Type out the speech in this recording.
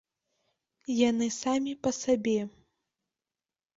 Яны самі па сабе.